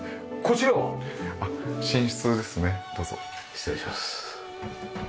失礼します。